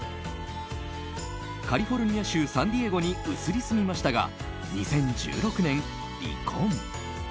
カリフォルニア州サンディエゴに移り住みましたが２０１６年離婚。